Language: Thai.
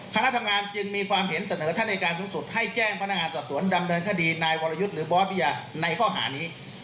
คณะทำงานจึงมีความเห็นเสนอท่านอายการสูงสุดให้แจ้งพนักงานสอบสวนดำเนินคดีนายวรยุทธ์หรือบอสพิยาในข้อหานี้